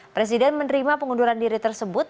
presiden menerima pengunduran diri tersebut